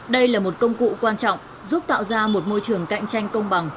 đây là một công cụ quan trọng giúp tạo ra một môi trường cạnh tranh công bằng